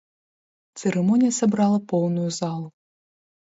Цырымонія сабрала поўную залу.